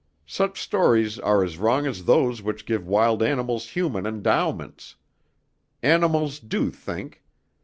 Such stories are as wrong as those which give wild animals human endowments. Animals do think.